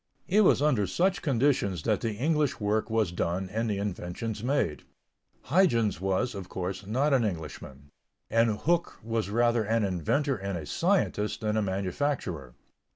It was under such conditions that the English work was done and the inventions made. Huyghens was, of course, not an Englishman; and Hooke was rather an inventor and a scientist than a manufacturer.